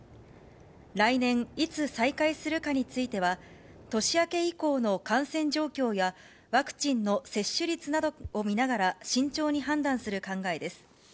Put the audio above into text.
来年いつ再開するかについては、年明け以降の感染状況や、ワクチンの接種率などを見ながら慎重に判断する考えです。